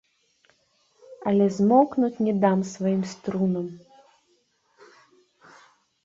Але змоўкнуць не дам сваім струнам.